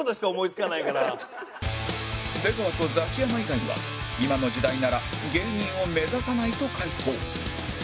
出川とザキヤマ以外は今の時代なら芸人を目指さないと回答